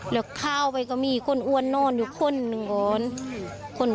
แล้วข้าวไปก็มีคนอ้วนนอนอยู่คนหนึ่งก่อน